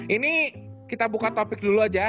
ini kita buka topik dulu aja